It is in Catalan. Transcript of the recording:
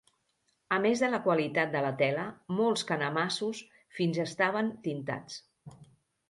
A més de la qualitat de la tela, molts canemassos fins estaven tintats.